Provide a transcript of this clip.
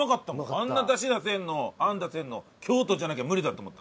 あんな出汁出せるのあん出せるの京都じゃなきゃ無理だと思った。